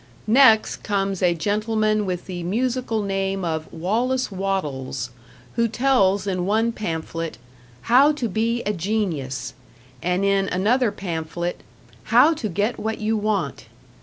Next comes a gentleman with the musical name of Wallace Wattles, who tells in one pamphlet "How to Be a Genius", and in another pamphlet "How to Get What you Want".